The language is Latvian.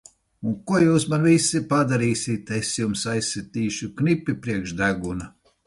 Un ko jūs man visi padarīsit! Es jums aizsitīšu knipi priekš deguna!